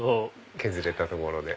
削れたところで。